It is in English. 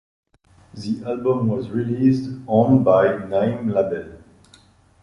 The album was released on by Naim label.